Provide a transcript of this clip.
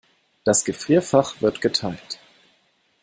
Das Gefrierfach wird geteilt.